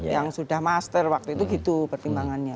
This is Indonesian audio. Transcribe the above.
yang sudah master waktu itu gitu pertimbangannya